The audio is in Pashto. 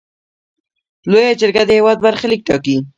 لویه جرګه د هیواد برخلیک ټاکي.